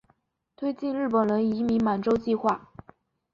推进日本人移民满洲计划。